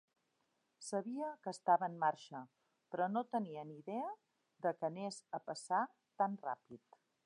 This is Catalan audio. Sabia que estava en marxa, però no tenia ni idea de que anés a passar tan ràpid.